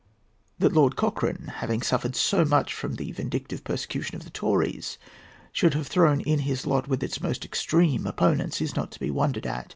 That Lord Cochrane, having suffered so much from the vindictive persecution of the Tories, should have thrown in his lot with its most extreme opponents, is not to be wondered at.